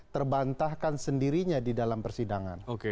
terbantahkan sendirinya di dalam persidangan